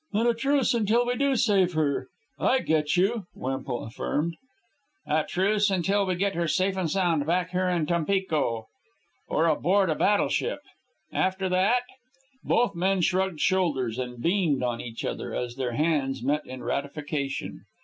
"And a truce until we do save her I get you," Wempel affirmed. "A truce until we get her safe and sound back here in Tampico, or aboard a battleship. After that? ..." Both men shrugged shoulders and beamed on each other as their hands met in ratification.